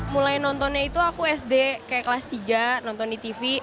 mulai nontonnya itu aku sd kayak kelas tiga nonton di tv